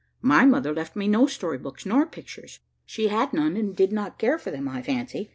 My mother left me no story books, nor pictures. She had none; and did not care for them, I fancy.